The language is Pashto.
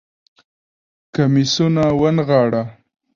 کميسونه ونغاړه